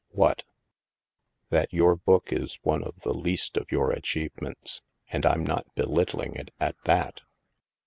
'' "What?" "That your book is one of the least of your achievements, and Fm not belittling it, at that."